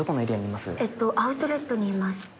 アウトレットにいます。